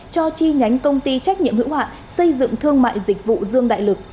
cho chi nhánh công ty trách nhiệm hữu hạn xây dựng thương mại dịch vụ dương đại lực